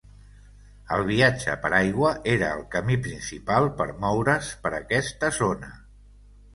El viatge per aigua era el camí principal per moure's per aquesta zona.